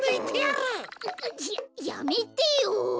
ややめてよ！